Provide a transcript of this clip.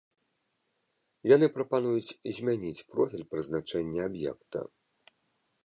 Яны прапануюць змяніць профіль прызначэння аб'екта.